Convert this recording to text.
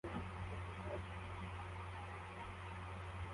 Umusozi ufite ibara ryoroshye